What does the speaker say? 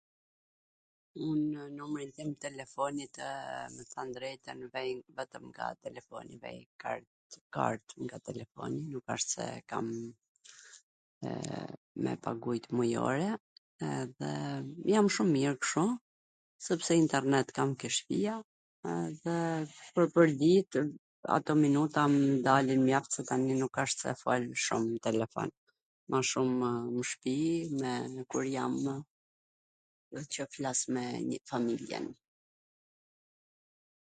Unw numrin tim t telefonitw me thwn t drejtwn i vej vetwm kartw telefoni i vej, kart, telefonin nuk asht se e kam me e pagujt mujore, edhe jam shum mir kshu, sepse internet kam ke shpia, edhe pwr pwrdit ato minuta m dalin mjaft, se tani nuk asht se folim shum n telefon. Ma shume nw shpi, me kur jamw qw flas me nii familjen.